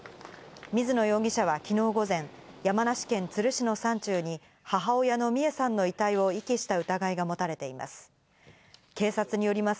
水野容疑者は昨日午前、山梨県都留市の山中に母親の美恵さんの遺体を遺棄した疑いが持たれています。